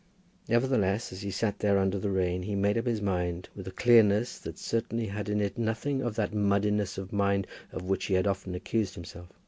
Nevertheless, as he sat there under the rain, he made up his mind with a clearness that certainly had in it nothing of that muddiness of mind of which he had often accused himself.